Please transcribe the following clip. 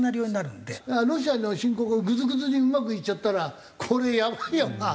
ロシアの侵攻がグズグズにうまくいっちゃったらこれやばいよな。